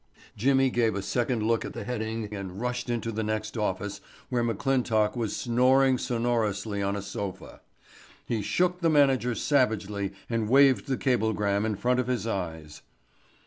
Jimmy gave a second look at the heading and rushed into the next office where McClintock was snoring sonorously on a sofa. He shook the manager savagely and waved the cablegram in front of his eyes.